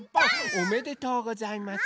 おめでとうございます。